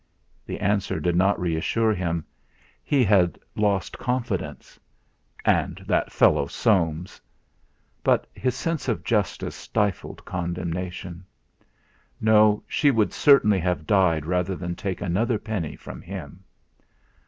The answer did not reassure him; he had lost confidence. And that fellow Soames! But his sense of justice stifled condemnation. No, she would certainly have died rather than take another penny from him.